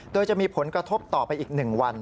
โดยจะมีผลกระทบต่อไปอีก๑วัน